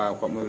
emang cepet aja